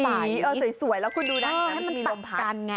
อ๋อสีสวยแล้วคุณดูนะมันจะมีลมพัด